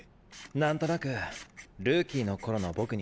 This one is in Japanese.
何となくルーキーの頃の僕に。